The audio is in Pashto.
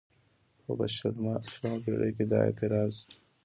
خو په شلمه پېړۍ کې دا اعتراض